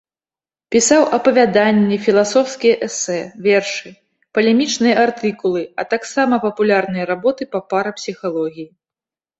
Пісаў апавяданні, філасофскія эсэ, вершы, палемічныя артыкулы, а таксама папулярныя работы па парапсіхалогіі.